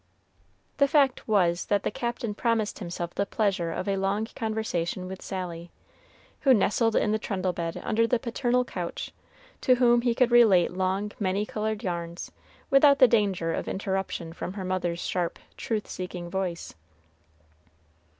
The fact was that the Captain promised himself the pleasure of a long conversation with Sally, who nestled in the trundle bed under the paternal couch, to whom he could relate long, many colored yarns, without the danger of interruption from her mother's sharp, truth seeking voice.